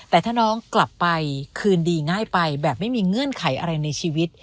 แต่ถ้าน้องกลับไปคืนดีง่ายไปแบบไม่มีเงื่อนไขอะไรในชีวิต